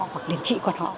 hoặc liền chị con họ